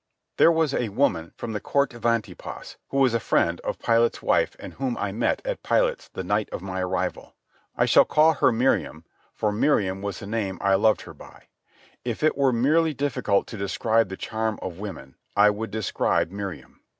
There was a woman from the court of Antipas, who was a friend of Pilate's wife and whom I met at Pilate's the night of my arrival. I shall call her Miriam, for Miriam was the name I loved her by. If it were merely difficult to describe the charm of women, I would describe Miriam.